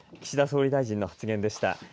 ￥岸田総理大臣の発言でした。